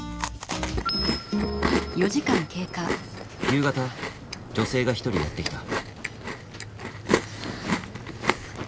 夕方女性が一人やって来た。